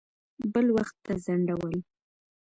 بل وخت ته ځنډول.